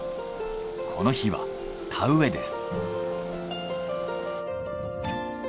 この日は田植えです。